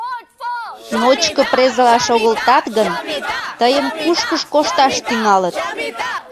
Ночко презыла шогылтат гын, тыйым кушкыж кошташ тӱҥалыт.